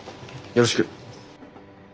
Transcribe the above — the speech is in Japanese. よろしく。